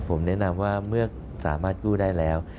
ผมแนะนำว่าเมื่อสามารถกู้ได้แล้ว